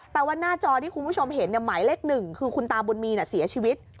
ว่าหน้าจอที่คุณผู้ชมเห็นหมายเลข๑คือคุณตาบุญมีเสียชีวิต